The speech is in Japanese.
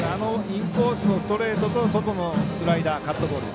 インコースのストレートと外のスライダー、カットボール